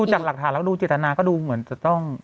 จากหลักฐานแล้วดูเจตนาก็ดูเหมือนจะต้อง